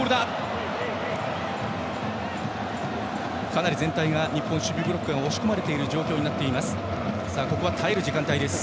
かなり全体が日本守備ブロックが押し込まれている状況です。